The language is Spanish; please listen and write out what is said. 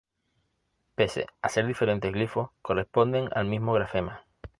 Pese a ser diferentes glifos, corresponden al mismo grafema.